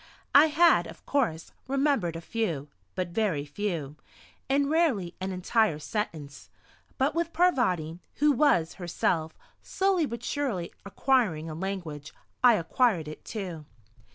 I had, of course, remembered a few but very few and rarely an entire sentence; but with Parvati, who was, herself, slowly but surely acquiring a language I acquired it too.